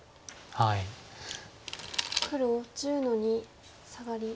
黒１０の二サガリ。